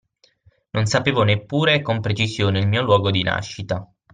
Non sapevo neppure con precisione il mio luogo di nascita.